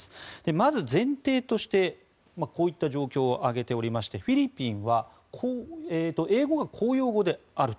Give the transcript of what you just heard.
まず、前提としてこういった状況を挙げておりましてフィリピンは英語が公用語であると。